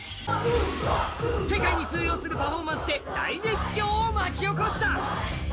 世界に通用するパフォーマンスで大熱狂を巻き起こした。